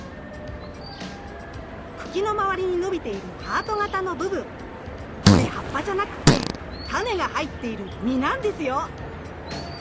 茎の周りに伸びているハート型の部分これ葉っぱじゃなくってタネが入っている実なんですよ。